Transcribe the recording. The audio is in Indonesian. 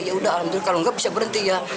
ya udah alhamdulillah kalau nggak bisa berhenti ya